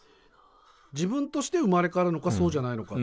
自分として生まれ変わるのかそうじゃないのか。